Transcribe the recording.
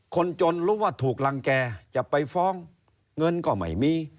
คนจนรู้ว่าถูกรังแก่จะไปฟ้องเงินก็ไม่มี